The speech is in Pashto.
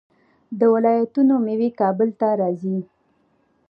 د ولایتونو میوې کابل ته راځي.